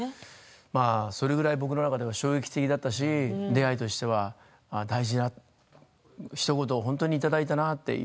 それくらい僕の中では衝撃的だったし出会いとしては大事なひと言をいただいたなと。